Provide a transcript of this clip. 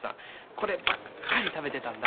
こればっかり食べてたんだ。